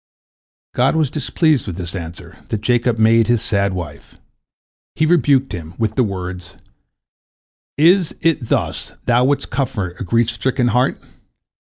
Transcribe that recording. " God was displeased with this answer that Jacob made to his sad wife. He rebuked him with the words: "Is it thus thou wouldst comfort a grief stricken heart?